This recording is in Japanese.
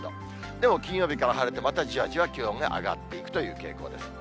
でも、金曜日から晴れて、またじわじわ気温が上がっていくという傾向です。